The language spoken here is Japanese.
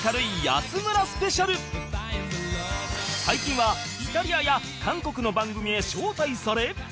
最近はイタリアや韓国の番組へ招待され